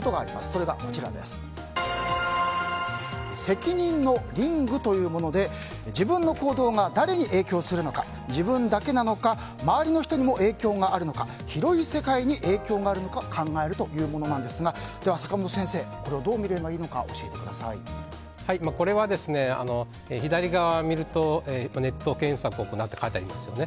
それが責任のリングというもので自分の行動が誰に影響するのか自分だけなのか周りの人にも影響があるのか広い世界に影響があるのか考えるというものなんですが坂本先生これをどう見ればいいのかこれは、左側を見るとネット検索を行うって書いてありますね。